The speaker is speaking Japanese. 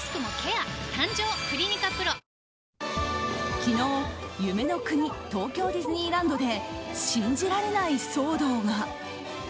昨日、夢の国東京ディズニーランドで信じられない騒動が。